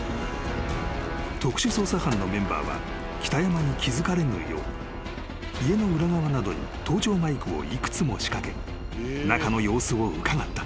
［特殊捜査班のメンバーは北山に気付かれぬよう家の裏側などに盗聴マイクを幾つも仕掛け中の様子をうかがった］